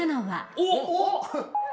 おっ！